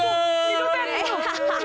ibu ibu tet ibu